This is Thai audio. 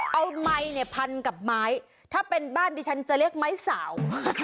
เอาไมค์เนี่ยพันกับไม้ถ้าเป็นบ้านดิฉันจะเรียกไม้สาว